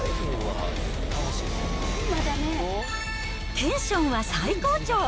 テンションは最高潮。